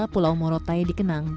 pulau morotai dikenang